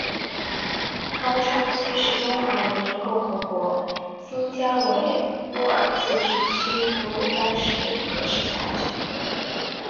高昌区是中华人民共和国新疆维吾尔自治区吐鲁番市的一个市辖区。